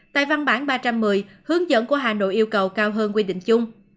tại văn bản ba trăm một mươi hướng dẫn của hà nội yêu cầu cao hơn quy định chung